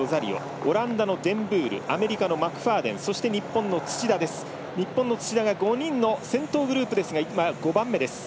オランダのデンブールアメリカのマクファーデンそして、日本の土田は５人の先頭ですが５番目です。